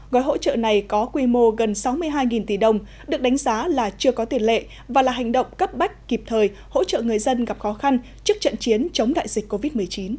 gói hỗ trợ này có quy mô gần sáu mươi hai tỷ đồng được đánh giá là chưa có tuyệt lệ và là hành động cấp bách kịp thời hỗ trợ người dân gặp khó khăn trước trận chiến chống đại dịch covid một mươi chín